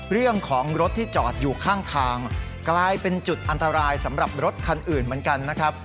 เรื่องของรถที่จอดอยู่ข้างทางกลายเป็นจุดอันตรายสำหรับรถคันอื่นเหมือนกันนะครับ